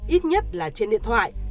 ít nhất là trên điện thoại